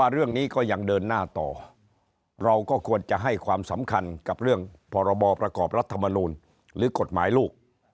เราก็ควรจะให้ความสำคัญกับเรื่องพบประกอบรัฐธรรมนูลหรือกฎหมายลูก